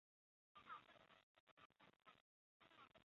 台中市港区艺术中心是位于台中市清水区的公立艺文场所。